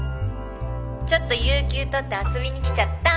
☎ちょっと有休取って遊びに来ちゃった。